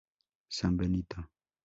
San Benito.